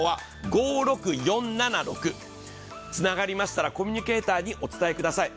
つながりましたら、コミュニケーターにお伝えください。